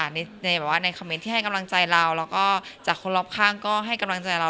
ในแบบว่าในคอมเมนต์ที่ให้กำลังใจเราแล้วก็จากคนรอบข้างก็ให้กำลังใจเรา